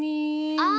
ああ！